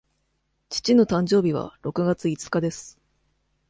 父の誕生日は六月五日です。